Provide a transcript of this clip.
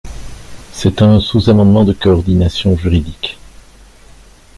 C’est un sous-amendement de coordination juridique.